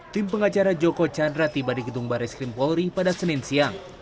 tim pengacara joko chandra tiba di gedung baris krim polri pada senin siang